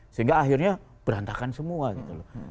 sehingga akhirnya berantakan semua gitu loh